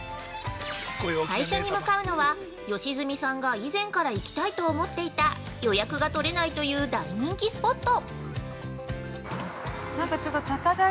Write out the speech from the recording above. ◆最初に向かうのは、吉住さんが以前から行きたいと思っていた予約が取れないという大人気スポット！